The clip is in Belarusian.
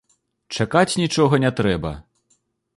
Чакаць нічога не трэба.